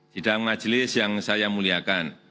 sidang majelis yang saya muliakan